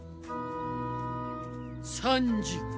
３時。